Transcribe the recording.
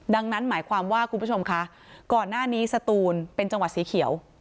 ดังนั้นหมายความว่าคุณผู้ชมคะก่อนหน้านี้สตูนเป็นจังหวัดสีเขียว